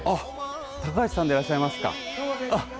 高橋さんでいらっしゃいますか。